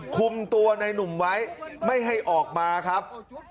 คุมตัวในหนุ่มไว้ไม่ให้ออกมาครับ